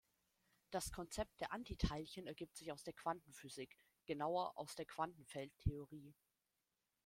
Das Konzept der Antiteilchen ergibt sich aus der Quantenphysik, genauer aus der Quantenfeldtheorie.